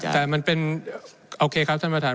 แต่มันเป็นโอเคครับท่านประธาน